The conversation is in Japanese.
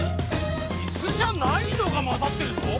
イスじゃないのがまざってるぞ！